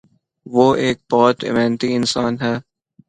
وہ ایک بہت محنتی انسان ہے۔